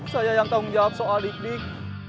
saya yang tanggung jawab soal hiknik